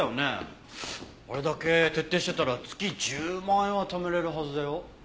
あれだけ徹底してたら月１０万円は貯められるはずだよ。